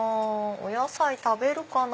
お野菜食べるかな？